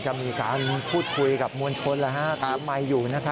พอว่ายุติการทำงกับวัดจัดประสงค์มาแล้ว